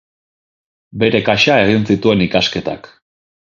Bere kasa egin zituen ikasketak.